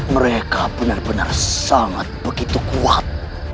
mereka benar benar sangat begitu kuat